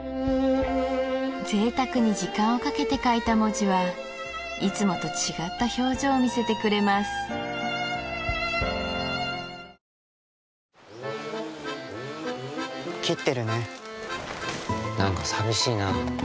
ぜいたくに時間をかけて書いた文字はいつもと違った表情を見せてくれます戻りました。